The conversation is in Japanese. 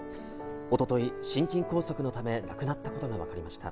一昨日、心筋梗塞のため亡くなったことがわかりました。